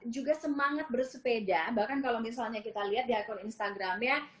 juga semangat bersepeda bahkan kalau misalnya kita lihat di akun instagramnya